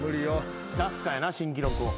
出すかやな新記録を。